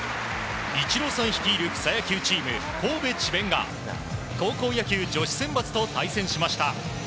イチローさん率いる草野球チームＫＯＢＥＣＨＩＢＥＮが高校野球女子選抜と対戦しました。